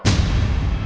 sampai jumpa lagi